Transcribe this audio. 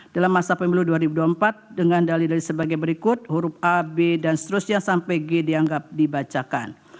dalam masa pemilu dua ribu dua puluh empat dengan dali dalil sebagai berikut huruf a b dan seterusnya sampai g dianggap dibacakan